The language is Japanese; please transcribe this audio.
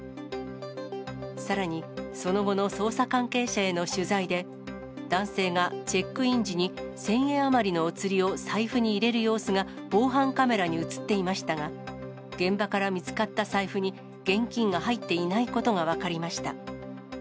さらに、その後の捜査関係者への取材で、男性がチェックイン時に、１０００円余りのお釣りを財布に入れる様子が、防犯カメラに写っていましたが、現場から見つかった財布に、現金が入っていないことが分かりました。